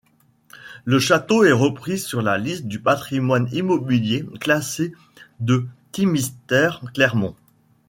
Le château est repris sur la liste du patrimoine immobilier classé de Thimister-Clermont.